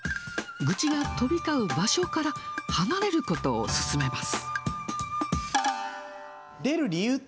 愚痴が飛び交う場所から離れることを勧めます。